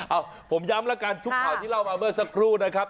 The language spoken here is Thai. ผมย้ำแล้วกันทุกข่าวที่เล่ามาเมื่อสักครู่นะครับ